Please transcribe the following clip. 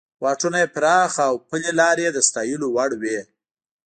واټونه یې پراخه او پلې لارې یې د ستایلو وړ وې.